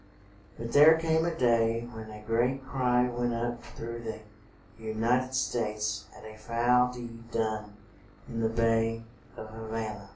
But there came a day when a great cry went up through the U nit ed States at a foul deed done in the bay of Ha va na.